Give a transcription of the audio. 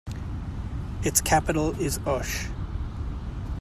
Its capital is Osh.